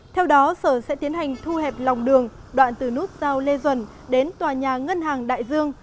theo đó sở sẽ tiến hành thu hẹp lòng đường đoạn từ nút giao lê duẩn đến tòa nhà ngân hàng đại dương